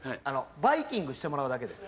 バイキングしてもらうだけです。